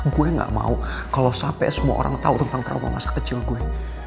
gue gak mau kalo sampe semua orang tau tentang trauma masa kecil gue